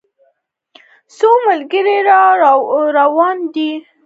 څو ملګري را روان دي.